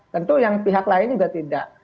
tentu yang pihak lain juga tidak